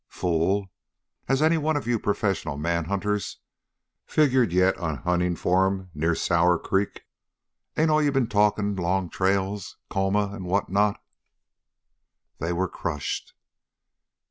"Fool? Has any one of you professional man hunters figured yet on hunting for 'em near Sour Creek? Ain't you all been talking long trails Colma, and what not?" They were crushed.